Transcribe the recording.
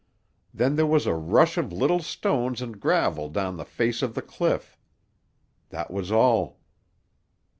Then there was a rush of little stones and gravel down the face of the cliff. That was all.